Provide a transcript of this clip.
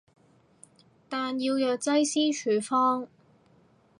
但要藥劑師處方